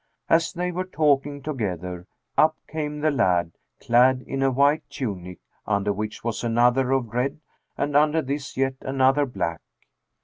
As they were talking together, up came the lad, clad in a white tunic, under which was another of red and under this yet another black.